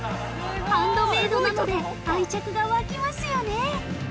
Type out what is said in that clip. ハンドメイドなので愛着が湧きますよね！